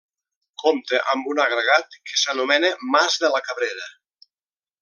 Compta amb un agregat que s'anomena Mas de la Cabrera.